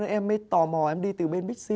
em mới tò mò em đi từ bên big c